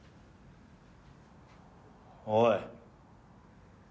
おい。